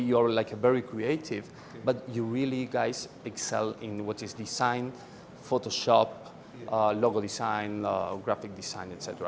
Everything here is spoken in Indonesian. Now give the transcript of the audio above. tapi anda sangat berkembang dalam apa yang berkaitan dengan desain photoshop logo design graphic design dan sebagainya